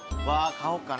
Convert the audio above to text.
買おうかな。